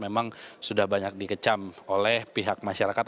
memang sudah banyak dikecam oleh pihak masyarakat